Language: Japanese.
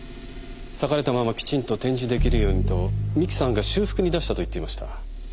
裂かれたままきちんと展示できるようにと三木さんが修復に出したと言っていました。